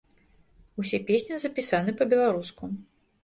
Усе песні запісаны па-беларуску.